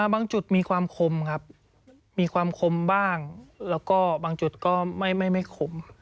บางจุดมีความคมครับมีความคมบ้างแล้วก็บางจุดก็ไม่คม